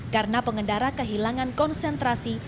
karena pengendara kehilangan konsentrasi